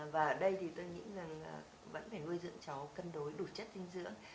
và ở đây thì tôi nghĩ là vẫn phải nuôi dưỡng cháu cân đối đủ chất dinh dưỡng